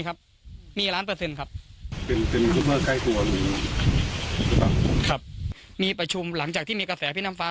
ครับมีล้านเปอร์เซ็นต์ครับครับมีประชุมหลังจากที่มีกระแสพี่น้ำฟ้า